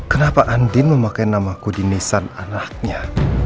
kenapa andiin memakai nama aku di nisan anaknya